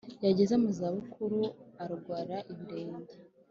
yagez mu za bukuru arwara ibirenge